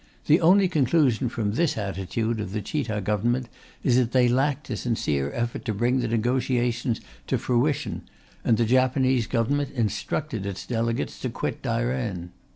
The only conclusion from this attitude of the Chita Government is that they lacked a sincere effort to bring the negotiations to fruition, and the Japanese Government instructed its delegates to quit Dairen.